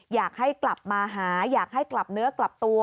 อยากให้กลับมาหาอยากให้กลับเนื้อกลับตัว